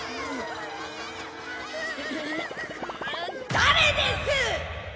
誰です！？